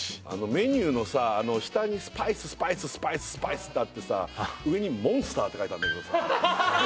メニューのさ下に「スパイス」「スパイス」「スパイス」「スパイス」ってあってさ上に「モンスター」って書いてあるんだけどさ